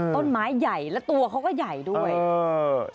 ต้นไม้ใหญ่แล้วตัวเขาก็ใหญ่ด้วยเออ